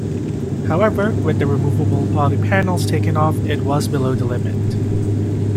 However, with the removable body panels taken-off it was below the limit.